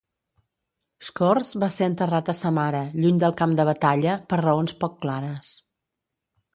Shchors va ser enterrat a Samara, lluny del camp de batalla, per raons poc clares.